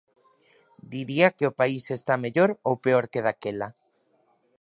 Diría que o país está mellor ou peor que daquela?